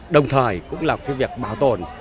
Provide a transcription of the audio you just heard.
đồng thời cũng là cái việc bảo tồn